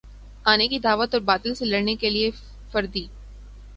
آنے کی دعوت اور باطل سے لڑنے کے لیے فردی